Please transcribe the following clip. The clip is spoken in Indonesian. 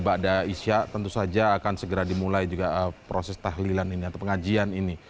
ibadah isya tentu saja akan segera dimulai juga proses tahlilan ini atau pengajian ini